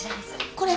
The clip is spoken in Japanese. これ？